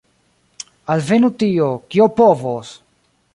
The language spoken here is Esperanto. Alvenu tio, kio povos!